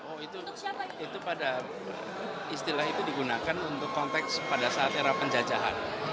oh itu pada istilah itu digunakan untuk konteks pada saat era penjajahan